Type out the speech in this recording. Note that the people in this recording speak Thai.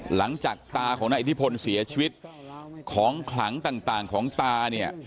หลังจากตาของนายอิทธิพลเสียชีวิตของขลังต่างของตาเนี่ย